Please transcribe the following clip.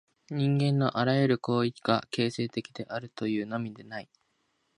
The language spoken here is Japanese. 人間のあらゆる行為が形成的であるというのみでない。